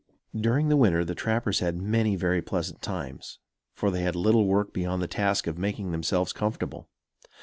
During the winter the trappers had many very pleasant times, for they had little work beyond the task of making themselves comfortable.